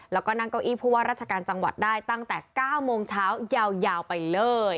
แล้วก็นั่งเก้าอี้ผู้ว่าราชการจังหวัดได้ตั้งแต่๙โมงเช้ายาวไปเลย